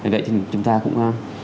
vậy chúng ta cũng